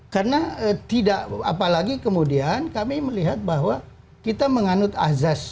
karena tidak apalagi kemudian kami melihat bahwa kita menganut azas